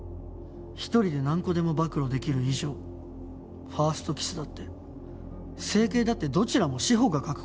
一人で何個でも暴露できる以上ファーストキスだって整形だってどちらも志法が書く事ができる。